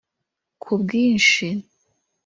“Ku bwinshi”